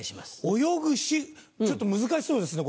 泳ぐちょっと難しそうですね